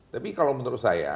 tapi kalau menurut saya